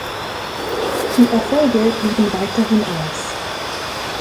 Die Erfolge blieben weiterhin aus.